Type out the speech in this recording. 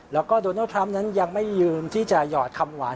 แล้วก็โดนัลดทรัมป์นั้นยังไม่ยืมที่จะหยอดคำหวาน